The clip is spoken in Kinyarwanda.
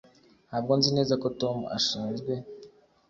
Ntabwo nzi neza ko Tom ashinzwe